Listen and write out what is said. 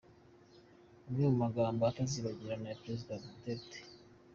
Amwe mu magambo atazibagirana ya Perezida Duterte.